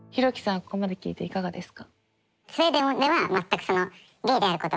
ここまで聞いていかがですか？